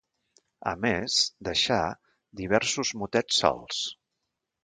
A més, deixà, diversos motets solts.